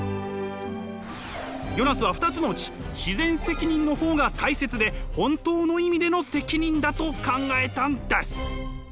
ヨナスは２つのうち自然責任の方が大切で本当の意味での責任だと考えたんです。